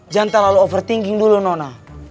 jangan terlalu overthinking dulu nona